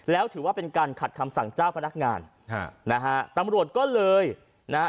แล้วถือว่าเป็นการขัดคำสั่งเจ้าพนักงานฮะนะฮะตำรวจก็เลยนะฮะ